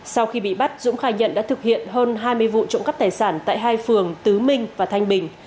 sau khi bị bắt dũng khai nhận đã thực hiện hơn hai mươi vụ trộm cắp tài sản tại hai phường tứ minh và thanh bình